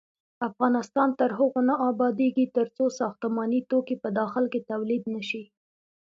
افغانستان تر هغو نه ابادیږي، ترڅو ساختماني توکي په داخل کې تولید نشي.